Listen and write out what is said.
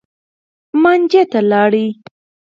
مانجې ته لاړ.